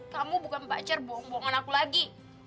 kamu bukan pacar bohong bohongan aku lagi